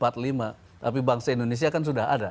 tapi bangsa indonesia kan sudah ada